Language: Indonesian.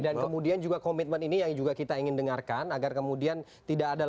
dan kemudian juga komitmen ini yang juga kita ingin dengarkan agar kemudian tidak ada